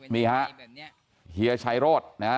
มีฮะเฮียชัยโรด